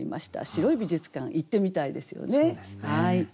白い美術館行ってみたいですよね。